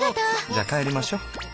じゃ帰りましょ。